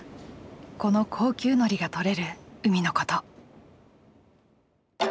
この高級のりが採れる海のこと。